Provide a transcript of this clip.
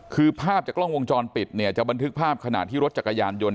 คือภาพจากกล้องวงจรปิดเนี่ยจะบันทึกภาพขณะที่รถจักรยานยนต